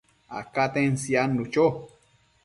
acaten siadnu cho